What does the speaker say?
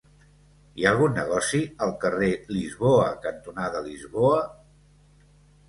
Hi ha algun negoci al carrer Lisboa cantonada Lisboa?